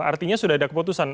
artinya sudah ada keputusan